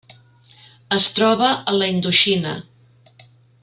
Es troba a la Indoxina: